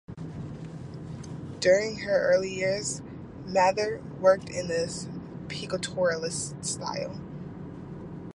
During her early years Mather worked in the pictorialist style.